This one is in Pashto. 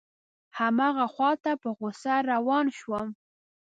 هماغه خواته په غوسه روان شوم.